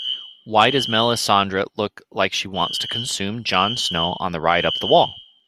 Why does Melissandre look like she wants to consume Jon Snow on the ride up the wall?